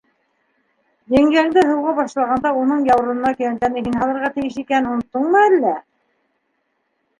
Еңгәңде һыуға башлағанда уның яурынына көйәнтәне һин һалырға тейеш икәнен оноттоңмо әллә?